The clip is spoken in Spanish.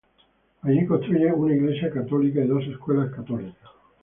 Allí construye una iglesia católica y dos escuelas católicas.